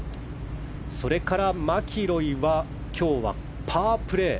それからマキロイは今日はパープレー。